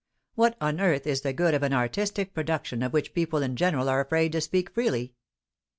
What on earth is the good of an artistic production of which people in general are afraid to speak freely?